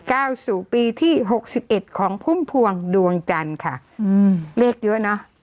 แล้วสู่ปีที่๖๑ของพุ่มพวงดวงจันทร์ค่ะเลขเยอะเนอะ